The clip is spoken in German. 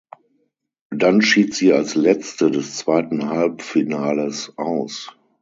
Dann schied sie als Letzte des zweiten Halbfinales aus.